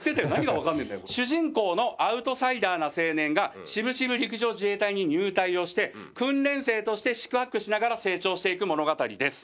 主人公のアウトサイダーな青年が渋々陸上自衛隊に入隊をして訓練生として四苦八苦しながら成長していく物語です。